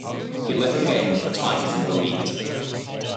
He left the game with the Tigers in the lead.